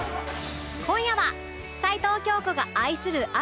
今夜は齊藤京子が愛する天海さんと